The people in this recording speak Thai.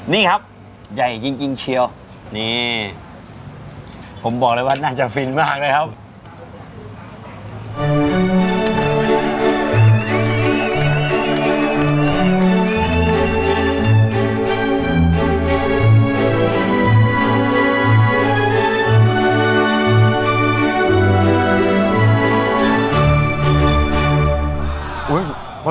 นี่ครับใหญ่จริงเชียวนี่ผมบอกเลยว่าน่าจะฟินมากนะครับ